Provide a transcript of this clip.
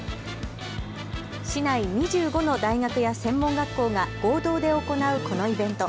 市内２５の大学や専門学校が合同で行うこのイベント。